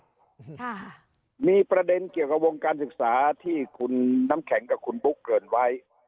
ค่ะมีประเด็นเกี่ยวกับวงการศึกษาที่คุณน้ำแข็งกับคุณบุ๊คเกริ่นไว้